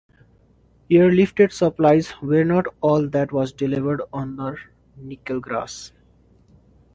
Airlifted supplies were not all that was delivered under Nickel Grass.